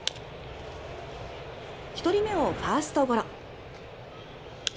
１人目をファーストゴロ。